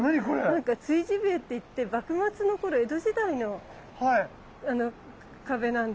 なんか築地塀っていって幕末の頃江戸時代の壁なんですって。